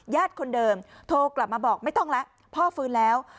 คนเดิมโทรกลับมาบอกไม่ต้องแล้วพ่อฟื้นแล้ว